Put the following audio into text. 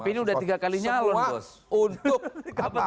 tapi ini sudah tiga kali nyalon bos